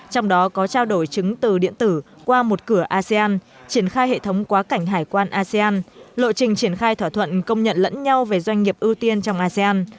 trong đó có trao đổi chứng từ điện tử qua một cửa asean triển khai hệ thống quá cảnh hải quan asean lộ trình triển khai thỏa thuận công nhận lẫn nhau về doanh nghiệp ưu tiên trong asean